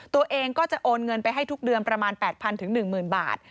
ตัวเองก็จะโอนเงินไปให้ทุกเดือนประมาณ๘๐๐๑๐๐บาท